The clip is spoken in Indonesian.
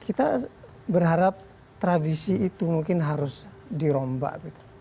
kita berharap tradisi itu mungkin harus dirombak